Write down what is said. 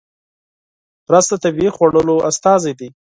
رس د طبیعي خوړنو استازی دی